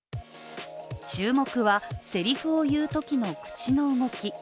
注目は、せりふを言うときの口の動き。